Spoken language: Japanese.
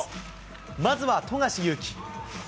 まずは富樫勇樹。